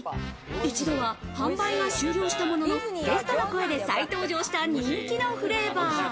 一度は販売が終了したものの、ゲストの声で再登場した人気のフレーバー。